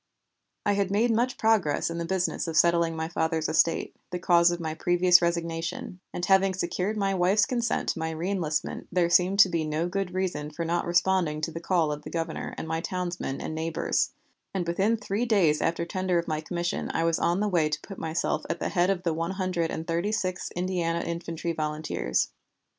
I had made much progress in the business of settling my father's estate, the cause of my previous resignation, and having secured my wife's consent to my reënlistment, there seemed to be no good reason for not responding to the call of the Governor and my townsmen and neighbors, and within three days after tender of my commission I was on the way to put myself at the head of the One Hundred and Thirty sixth Indiana Infantry Volunteers.